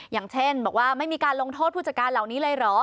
อย่างเช่นบอกว่าไม่มีการลงโทษผู้จัดการเหล่านี้เลยเหรอ